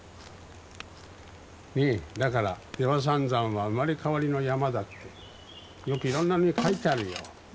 ねえだから出羽三山は生まれ変わりの山だってよくいろんなのに書いてあるよ。